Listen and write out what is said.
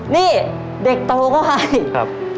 นี่เด็กโตก็ให้